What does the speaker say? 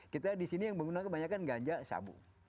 kita di sini yang menggunakan kebanyakan ganja sabu